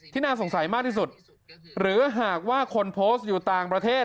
น่าสงสัยมากที่สุดหรือหากว่าคนโพสต์อยู่ต่างประเทศ